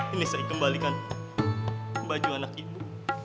ini saya kembalikan baju anak ibu